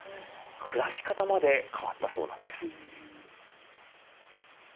暮らし方まで変わったそうなんです。